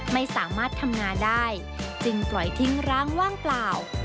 ไม่สามารถทำงานได้จึงปล่อยทิ้งร้างว่างเปล่า